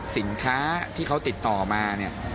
สินค้าที่เขาติดต่อมา